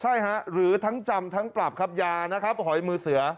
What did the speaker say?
ใช่ฮะหรือทั้งจำทั้งปรับครับยานะครับหอยมือเสือ